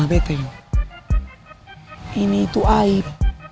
sama bete ini ini itu aib